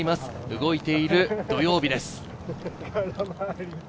動いている土曜日です。